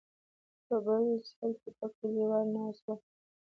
په بل سر کې به کليوال ناست ول.